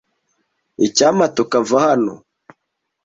Icyampa tukava hano.